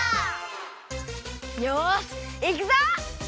よしいくぞ！